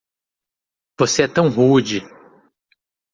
Você é tão rude!